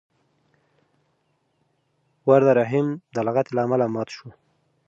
ور د رحیم د لغتې له امله مات شو.